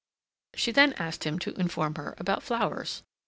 She then asked him to inform her about flowers.